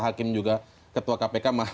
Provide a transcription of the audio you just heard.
hakim juga ketua kpk